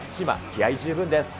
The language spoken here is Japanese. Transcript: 気合い十分です。